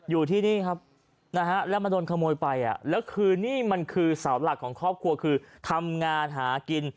อยู่ที่นี่ครับนะฮะแล้วมาโดนขโมยไปแล้วคือนี่มันคือเสาหลักของครอบครัวคือทำงานหากิน